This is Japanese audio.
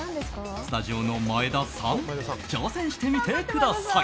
スタジオの前田さん挑戦してみてください。